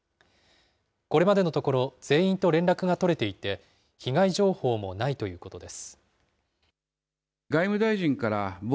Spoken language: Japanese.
これまでのところ、全員と連絡が取れていて、被害情報もないということです。